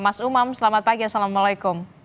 mas umam selamat pagi assalamualaikum